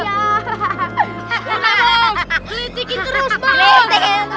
berlitikin terus dong